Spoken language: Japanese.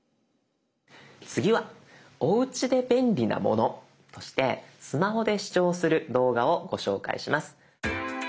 次はおうちで便利なものとしてスマホで視聴する動画をご紹介します。